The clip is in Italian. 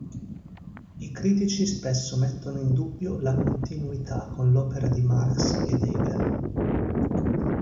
I critici spesso mettono in dubbio la continuità con l'opera di Marx ed Engels.